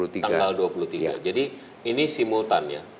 tanggal dua puluh tiga jadi ini simultannya